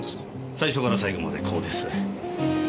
最初から最後までこうです。